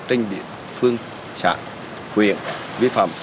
trên địa phương xã huyện vi phạm